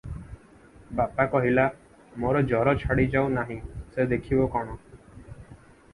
ବାପା କହିଲା, "ମୋର ଜର ଛାଡ଼ିଯାଉ ନାହିଁ, ସେ ଦେଖିବ କଣ?